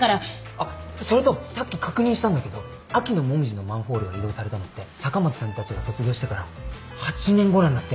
あっそれとさっき確認したんだけど秋のモミジのマンホールが移動されたのって坂巻さんたちが卒業してから８年後なんだって。